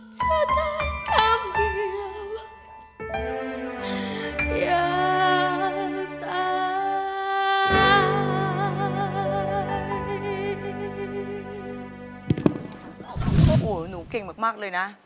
โอ้โหหนูเก่งมากเลยนะ